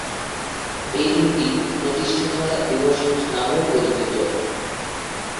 এই দিনটি প্রতিষ্ঠাতা দিবস নামেও পরিচিত।